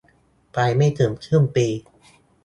ไปไม่ถึงครึ่งปี